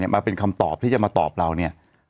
มาเป็นคำตอบที่จะมาตอบเราเนี่ย